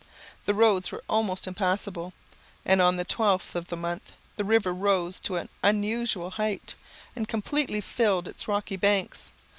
The roads were almost impassable, and, on the 12th of the month, the river rose to an unusual height, and completely filled its rocky banks.